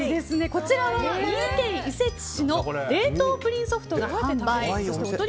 こちらは三重県伊勢市の冷凍プリンソフトが販売。